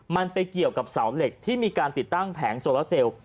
มันไปเกี่ยวกับเสาเหล็กที่มีการติดตั้งแผงโซลาเซลล์